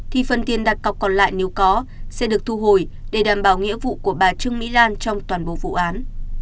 thì phần tiền đặt cọc còn lại nếu có sẽ được thu hồi để đảm bảo nghĩa vụ của bà trương mỹ lan trong toàn bộ vụ án